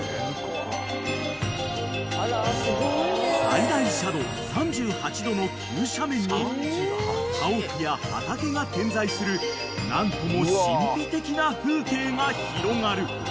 ［最大斜度３８度の急斜面に家屋や畑が点在する何とも神秘的な風景が広がる］